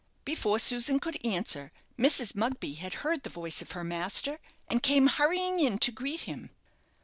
Before Susan could answer, Mrs. Mugby had heard the voice of her master, and came hurrying in to greet him.